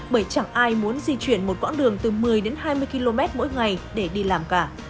bởi chẳng ai muốn di chuyển một quãng đường từ một mươi đến hai mươi km mỗi ngày để đi làm cả